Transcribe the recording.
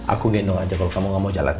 aku gendong aja kalo kamu gak mau jalan ya